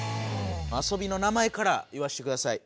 遊びの名前から言わしてください！